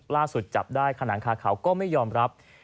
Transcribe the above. ล่าสุดแต่จับได้ขนังคาเขาก็ยอมยอมรับ